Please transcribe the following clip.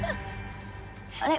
あれ？